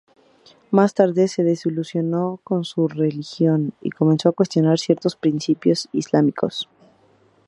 Más tarde se desilusionó con su religión y comenzó a cuestionar ciertos principios islámicos.